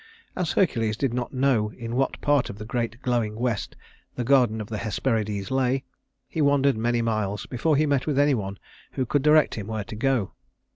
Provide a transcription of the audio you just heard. As Hercules did not know in what part of the great glowing west the Garden of the Hesperides lay, he wandered many miles before he met with any one who could direct him where to go.